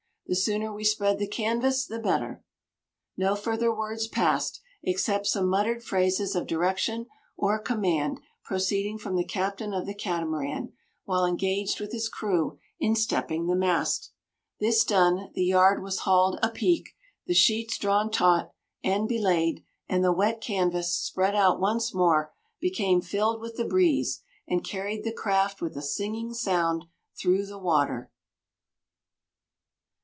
The sooner we spread the canvas the better." No further words passed, except some muttered phrases of direction or command proceeding from the captain of the Catamaran while engaged with his crew in stepping the mast. This done, the yard was hauled "apeak," the "sheets" drawn "taut" and "belayed," and the wet canvas, spread out once more, became filled with the breeze, and carried the craft with a singing sound through the water.